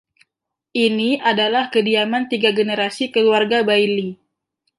Ini adalah kediaman tiga generasi keluarga Bailly.